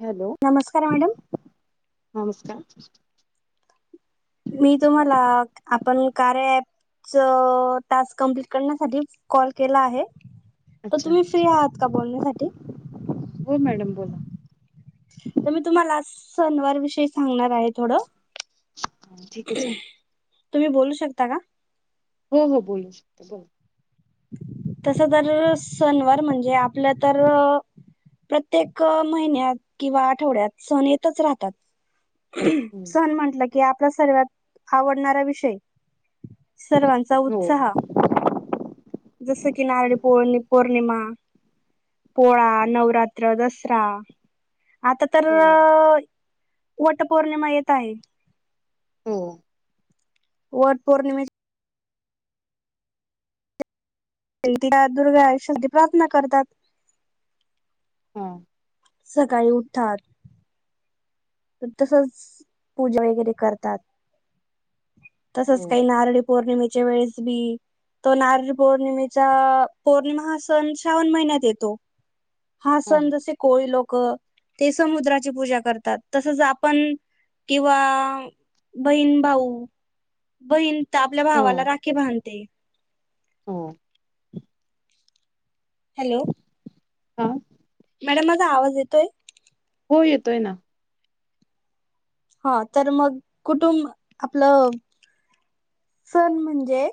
Hello नमस्कार madam नमस्कार. मी तुम्हाला आपण कार्य. टास्क कंप्लीट करण्यासाठी कॉल केला आहे. तर अच्छा तुम्ही फ्री आहात का बोलण्यासाठी? हो मॅडम बोला. तर मी तुम्हाला सनवार विषयी सांगणार आहे थोड. हा, ठीक आहे चाल तुम्ही बोलू शकता का. हो हो बोलू शकते बोल. तस तर सनवार म्हणजे आपलं तर. प्रत्येक महिन्यात किंवा आठवड्यात सण येतच राहतात. हम्म, सन म्हंटल की आपला सर्वात आवडणारा विषय. सर्वांचा हो उत्साह. जसं की नारळी पौर्ण पौर्णिमा. पोळा नवरात्र दसरा आता तर हो वट पौर्णिमा येत आहे. हो वट पौर्णिमे. त दुर्गाषती प्रार्थना करतात. हा. सकाळी उठात. तसच पूजा वगैरे करतात. तसच हो काही नारळी पौर्णिमेच्या वेळेस बी. तो नारळी पौर्णिमेचा पौर्णिमा हा सण श्रावण महिन्यात येतो. हा सण जसे कोळी लोक ते समुद्राची पूजा करतात. तसच आपण किंवा बहीण भाऊ बहीण. तर आपल्या हो भावाला राखी बांधते. हो. हॅलो. हां. मॅडम माझा आवाज येतोय. हो येतोय ना. हा तर मग कुटुंब आपलं. सण म्हणजे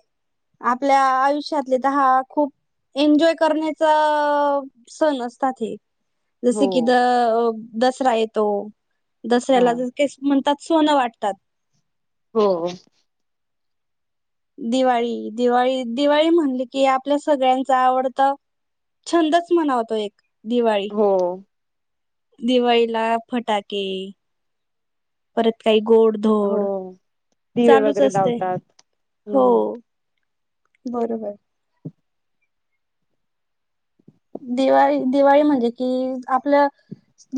आपल्या आयुष्यातले तर हा खूप. एन्जॉय करण्याचा सण असतात हे. हो जसे कि द दसरा येतो हा दसऱ्याला जस म्हणतात. सोनं वाटतात. हो. दिवाळी दिवाळी दिवाळी म्हणली की, आपल्या सगळ्यांच आवडत. छंदच मनवतो एक दिवाळी. हो. दिवाळीला फटाके परत काही हो गोड. ोड दिवे चालूच वगैरे असते लावतात हो. हम्म बरोबर. दिवाळी दिवाळी म्हणजे कि आपल्या.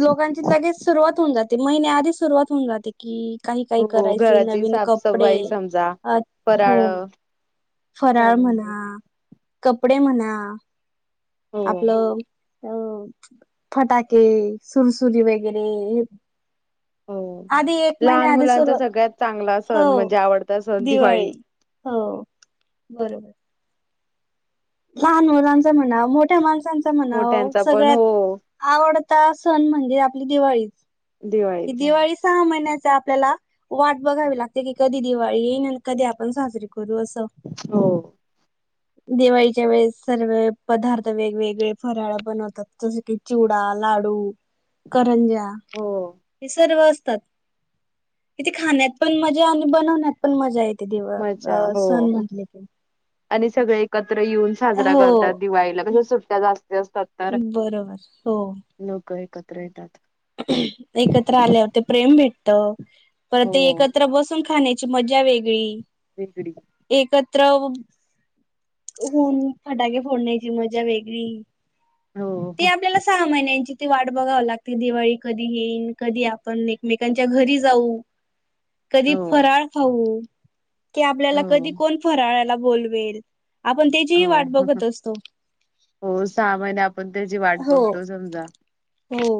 लोकांची लगेच सुरुवात होऊन जाते, महिने आधी सुरुवात होऊन जाते. कि काही काही हो करायचे घराची नवीन कपडे साफसफाई समजा फराळ हो. फराळ चालून जात म्हणा कपडे म्हणा हो आपलं. अ फटाके सुरसुरी वगैरे हे. हो आधी एक लहान महिने्या आधी मुलांचा सुरवात सगळ्यात चांगला हो सण म्हणजे आवडता सण दिवाळी. हो. बरोबर. लहान मुलांचा म्हणावं. मोठ्या माणसांचा म्हणावं मोठ्यांचा पण सगळ्यात हो आवडता सण म्हणजे, आपली दिवाळी. ह दिवाळीच दिवाळी सहा महिन्याचा आपल्याला वाट बघावी लागते. की कधी दिवाळी येईन, आणि कधी आपण साजरीे करू अस. हो. दिवायची वेळेस सर्व पदार्थ वेगवेगळे फराळ बनवतात, जसे की चिवडा, लाडू. करंजा हो हे सर्व असतात. ती खाण्यात पण मजा, आणि बनवण्यात पण मजा येते, देवळ मजा अ हो सण म्हटल की. आणि सगळे एकत्र येऊन साजरा हो करतात. दिवाळीला म्हणजे सुट्ट्या जास्त असतात. तर बरोबर हो. लोक एकत्र येतात. एकत्र आल्यावर ते प्रेम भेटत. पर हो ते एकत्र बसून खाण्या मजा वेगळी. बेकडी. एकत्र होऊन, फटाके फोडण्याची मजा वेगळी. हो ती हो आपल्याला सहा महिन्यांची ती वाट बघाव लागते. ती दिवाळी कधी येईन, कधी आपण एकमेकांच्या घरी जाऊ. कधी हो फराळ खाऊ. की आपल्याला कधी कोण, फराळाला बोलवेल. आपण त्याचीही वाट बघत हो. असतो हो, सहा महिने आपण त्याची वाट हो बघतो समजा. हो.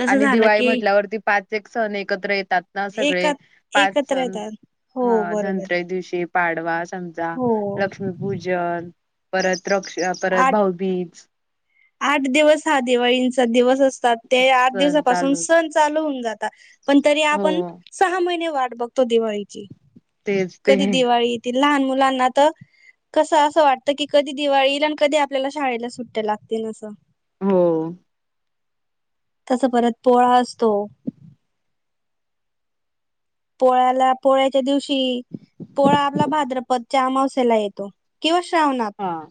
तसं आणि झालं दिवाळी की म्हटल्यावरती, पाच एक सण एकत्र येतात. एका सगळे पाच एकत्र सण. येतात हो ह बरोबर धनत्रयो दिवशी पाडवा समजा, हो लक्ष्मीपूजन, परत रक्ष परत आठ भाऊबीज. आठ दिवस हा दिवाळींचा दिवस असतात. ते आठ सण दिवसापासून, चालू सण चालू होऊन जातात. पण तरी हो आपण, सहा महिने वाट बघतो. दिवाळीची. तेच कधी ते दिवाळी लहान मुलांना त. कसं असं वाटतं, की कधी दिवाळी येईल आण, कधी आपल्याला शाळेला सुट्ट्या लाग तीन अस. हो. तस परत, पोळा असतो. पोळ्याला, पोळ्याच्या दिवशी. पोळा आपला भाद्रपदच्या अमावश्याला येतो, किंवा श्रावणात. हा.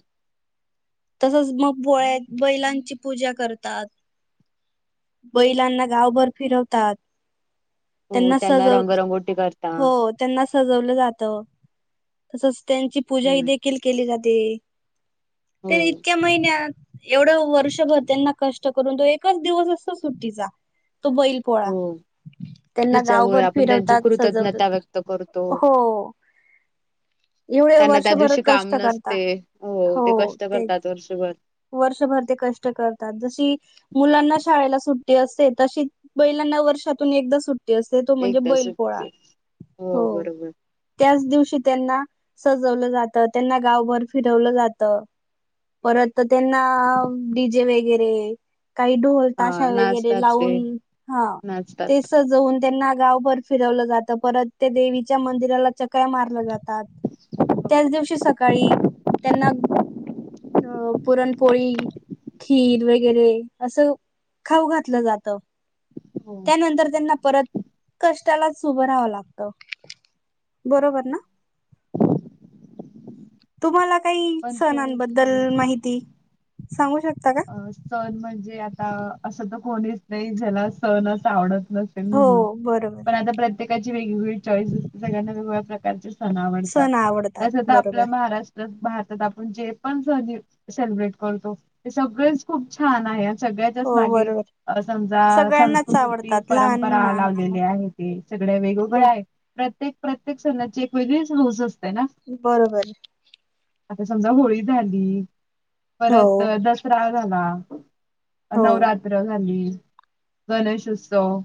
तसच मग पोळ्यात, बैलांची पूजा करतात. बैलांना गावभर फिरवतात. हो त्यांना सजव, रंगरंगोटी करता. हो. त्यांना सजवलं जात. तसच, त्यांची पूजा हम्म. देखील केली जाते. हो ते इतक्या महिन्यात. एवढं वर्षभर त्यांना कष्ट करून, तो एकच दिवस असतो, सुट्टीचा. तो बैल पोळा. त्यांना जिच्यामुळे गावभर आपण, त्यांची फिरवतात कृतज्ञता सजवतात व्यक्त करतो. हो एवढे त्यांना त्या वर्षभर दिवशी काम कष्ट करतात नसते. हो. ते कष्ट करतात वर्षभर. वर्षभर ते कष्ट करतात. जशी मुलांना शाळेला सुट्टी असते, तशी बैलांना वर्षातून एकदा सुट्ट असेते. तो म्हणजे, एकदा बैल पोळा. सुट्टी हो. त्याच दिवशी त्यांना सजवलं जातं. त्यांना गावभर फिरवलं जात. परत त्यांना, डी जे वगैरे काही ढोल हा ताशा वगैरे नाचतात ते लावून, हा ते नाचतात. सजवून त्यांना गावभर फिरवलं जातं. परत ते देवीच्या मंदिराला चक्र्या मारलं जात. त्याच दिवशी सकाळी. त्यांना अ पुरणपोळी. खीर वगैरे असं खाऊ घातलं जात. हो त्यानंतर त्यांना परत कष्टालाच उभं राहावं लागतं, बरोबर ना. [unintelligible] तुम्हाला काही पण तो एक सणांबद्दल दिवस माहिती, सांगू शकता का? अ, सण म्हणजे आता असं तर कोणीच नाही, ज्याला सणच आवडत न हो [unintelligible] बरोबर पण आता प्रत्येकाची वेगवेगळी चॉईस. सगळ्यांना वेगवेगळया प्रकारचे सण आवडतात. सण आवडतात तस तर बरोबर आपला महाराष्ट्र. भारतात आपण जे पण सण सेलिब्रेट करतो ते सगळेच खूप छान आहेत. सगळ्यातच हो मागे. बरोबर अं समजा सगळ्यांनाच संस्कृती, आवडतात लहान परंपरा, लहान लावलेली आहे मोठ्यांना ते सगळया ब वेगवेगळ्या आहेत. प्रत्येक, प्रत्येक सणाची एक वेगळीच हौस असते ना. बरोबर. आता समजा होळी झाली, हो परत दस दसरा झाला, हो नवरात्र झाली, गणेश उत्सव.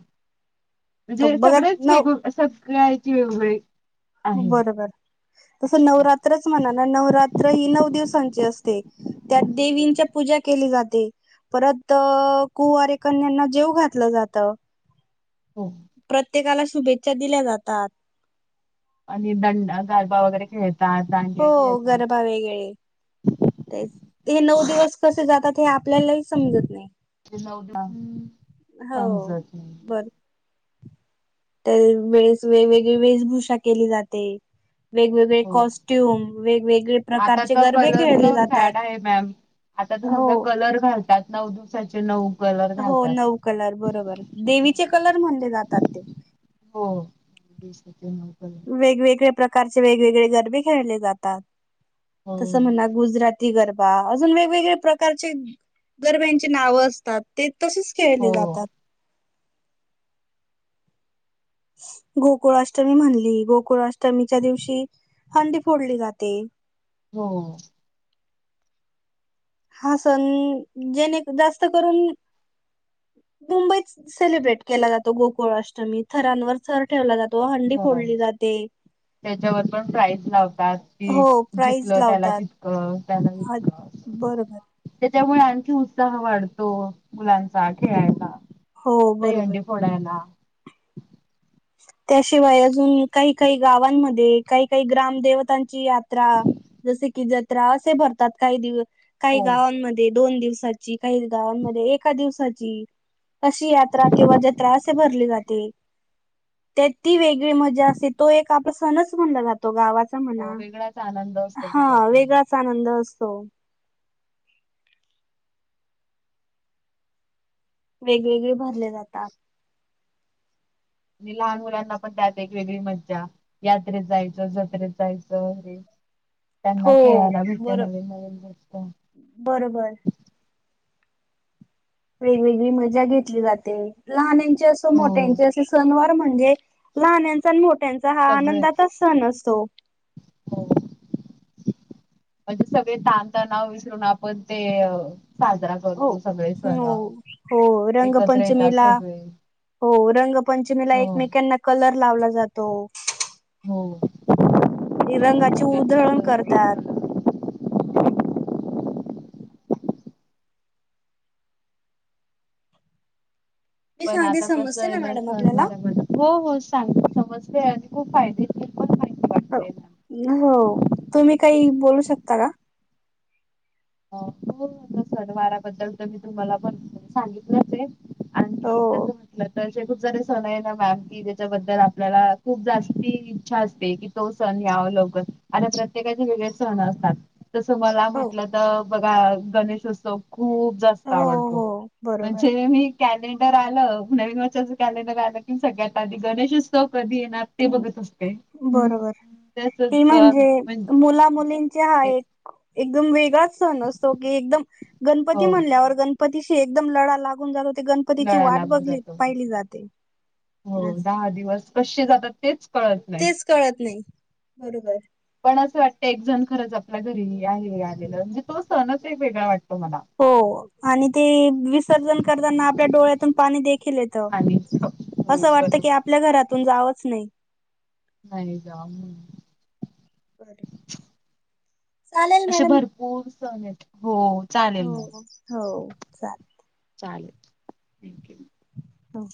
म्हणजे बघा सगळेच न वेग, सगळ्यांची वेगवेग आहे. बर, बर. तसं नवरात्र म्हणाना नवरात्र ही नऊ दिवसांची असते, त्यात देवींच्या पूजा केली जाते. परत कुवारी कन्यांना जेवू घातलं जातं. हं. प्रत्येकाला शुभेच्छा दिल्या जातात. आणि दंड, गारबा वगैरे खेळतात, दांडिया खेळतात. अययेये ते नऊ दिवस कसे जातात हे आपल्यालाही समजत नाही. ते नऊलाच हो समजल. तेवेळेस वेगवेगळी वेशभूषा केली जाते. वेगवेगळे हो कॉस्ट्युम, वेगवेगळे आता प्रकारचे तर गरबे खेळले कलरच जातात. फॅड आहे मॅम आता हो तस [unintelligible] कलर घालतात. नऊ दिवसाचे नऊ. कलर हो. घालतात नऊ कलर बरोबर. देवीचे कलर म्हणले जातात ते. हो. [unintelligible] वेगवेगळे प्रकारचे वेगवेगळे गरबे खेळले जातात, तस हो म्हणा गुजरा - - ती गरबा अजून वेगवेगळे प्रकारचे गरब्यांची नाव असतात. ते तसच खेळले हो जातात. गोकुळाष्टमी म्हणली. गोकुळाष्टमीच्या दिवशी हंडी फोडली जाते. हो. हा सण जेणे जास्त करून मुंबईत सेलिब्रेट केला जातो. गोकुळ अष्टमी थरांवर. थर ठेवला जातो, हंडी खरं फोडली जाते. त्याच्यावर पण प्राईज लावतात. की हो जिंकल प्राईज त्याला लावतात तितक त्याला जितक अस बरोबर त्याच्यामुळे आणखी उत्साह वाढतो. मुलांचा खेळायला. हो दही बरोबर. हंडी फोडायला. त्याशिवाय अजून काही काही गावांमध्ये काही काही ग्राम देवतांची यात्रा जसे की जत्रा असे भरतात काही दिवस. काही हो गावांमध्ये दोन दिवसाची काही गावांमध्ये एका दिवसाची कशी यात्रा किंवा जत्रा असे भरली जाते. त्यात ती वेगळी मजा असे तो एक आपला सणच म्हणला जातो गावात हो वेगळाच आनंद असतो तिच्यातून. वेगळाच आनंद असतो. वेगवेगळे भरले जातात. आणि लहान मुलांना पण त्यात एक वेगळी मज्जा यात्रेत जायचं, जत्रेत जायचं हे त्यांना हो खेळायला भेटते बर नवीन नवीन भेटत बरोबर वेगवेगळी मजा घेतली जाते लहानांची असो हो मोठ्यांची असे सणवार म्हणजे लहानांचा आणि मोठ्यांचा हा सगळेच आनंदाचा सण असतो. हो म्हणजे सगळे ताणतणाव विसरून आपण ते साजरा हो. करतो सगळे सण हो हो एकत्र येतात रंगपंचमीला सगळे हो रंगपंचमीला हो एकमेकांना कलर लावला जातो. हो. रंगाची उधळण करतात. मी पण सांगते आता कसं समजते ना याला मॅडम आपल्याला सणवार मध्ये हो हो सांगते समजते आणि खूप फायदे हो तुम्ही काही बोलू शकता का? हो हो सण वाराबद्दल तर मी तुम्हाला पण सांगितलंच आहे. आणखी हो कसं म्हटलं जे [unintelligible] सण आहे ना मॅम कि त्याच्याबद्दल आपल्याला खूप जास्ती इच्छा असते कि तो सण याव लवकर आता प्रत्येकाचे वेगळे सण असतात. तसं मला हो म्हटलं तर बघा गणेशोत्सव खूप जास्त हो आवडतो हो बरोबर म्हणजे मी कॅलेंडर आलं नवीन वर्षाच कॅलेंडर आलं की सगळ्यात आधी गणेशोत्सव कधी येणार ते बघत असते. हम्म. बरोबर ही तसच म्हणजे म्हणजे मुला मुलीं हा एक एकदम वेगळाच सण असतो की एकदम गणपती हो म्हणल्यावर गण पशी एकदम लढा लागून जात होते ग प तिची लळा वाट लागून बघली जातो. पाहिली जाते हो अस दहा दिवस कसे जातात तेच कळत नाही. तेच कळत नाही बरोबर पण असं वाटतं एक जण खरंच आपल्या घरी आहे आलेला म्हणजे तो सणच एक वेगळा वाटतो मला हो आणि ते विसर्जन करताना आपल्या डोळ्यातून पाणी ते देखील येत आणि हो असं वाटत की बरोबर आपल्या घरातून जावंच नाही. नाही [unintelligible] चालेल मॅडम [unintelligible] सन आहेत. हो चालेल हो मग. हो हो चालेल. चालेल थँक्यू हो.